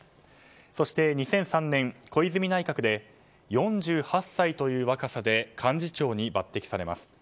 そして、２００３年小泉内閣で４８歳という若さで幹事長に抜てきされます。